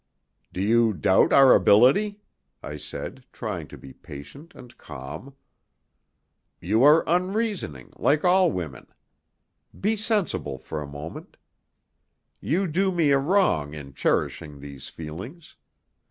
"Do you doubt our ability?" I said, trying to be patient and calm. "You are unreasoning, like all women. Be sensible for a moment. You do me a wrong in cherishing these feelings.